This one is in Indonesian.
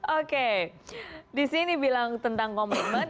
oke disini bilang tentang komitmen